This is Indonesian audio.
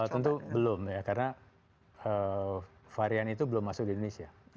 tentu belum ya karena varian itu belum masuk di indonesia